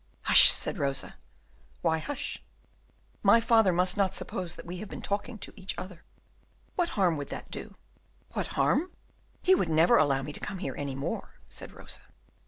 "Hush," said Rosa. "Why hush?" "My father must not suppose that we have been talking to each other." "What harm would that do?" "What harm? He would never allow me to come here any more," said Rosa.